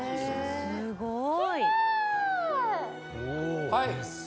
「すごい！」